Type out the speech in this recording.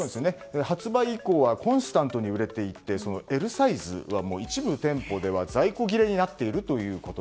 発売以降はコンスタントに売れていてＬサイズは一部店舗では在庫切れになっていると。